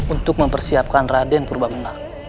untuk mempersiapkan raden perubah menang